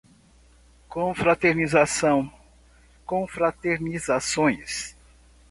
Confraternização, confraternizações